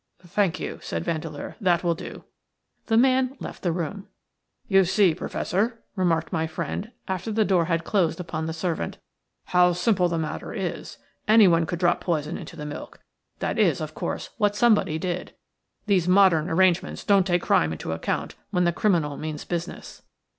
"Thank you," said Vandeleur. "That will do." The man left the room. "You see, Professor," remarked my friend, after the door had closed upon the servant, "how simple the matter is. Anyone could drop poison into the milk – that is, of course, what somebody did. These modern arrangements don't take crime into account when the criminal means business."